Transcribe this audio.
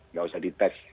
nggak usah dites